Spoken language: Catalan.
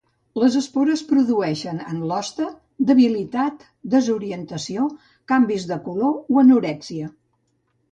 Les espores produeixen en l'hoste debilitat, desorientació, canvis de color o anorèxia.